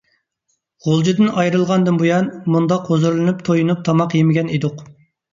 غۇلجىدىن ئايرىلغاندىن بۇيان ، مۇنداق ھۇزۇرلىنىپ، تويۇنۇپ تاماق يېمىگەن ئىدۇق .